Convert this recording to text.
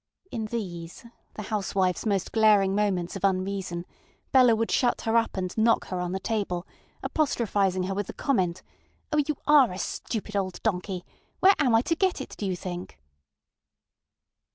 In these, the housewifeŌĆÖs most glaring moments of unreason, Bella would shut her up and knock her on the table, apostrophizing her with the complimentŌĆöŌĆśO you ARE a stupid old donkey! Where am I to get it, do you think?